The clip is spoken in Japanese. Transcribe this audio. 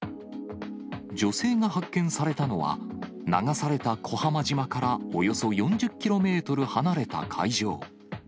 女性が発見されたのは、流された小浜島からおよそ４０キロメートル離れた海上。